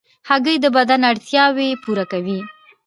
هګۍ د بدن اړتیاوې پوره کوي.